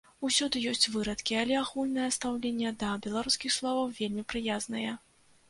Усюды ёсць вырадкі, але агульнае стаўленне да беларускіх словаў вельмі прыязнае.